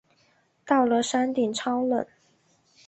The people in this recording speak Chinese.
到了山顶超冷